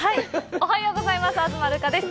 おはようございます、東留伽です。